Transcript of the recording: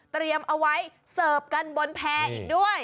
เตรียมเอาไว้เสิร์ฟกันบนแพร่อีกด้วย